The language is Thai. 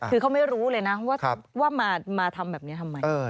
คือเขาไม่รู้เลยนะว่ามาทำแบบนี้ทำไม